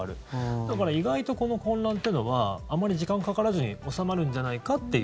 だから意外とこの混乱というのはあまり時間がかからずに収まるんじゃないかっていう。